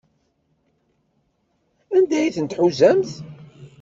Anda ay ten-tḥuzamt?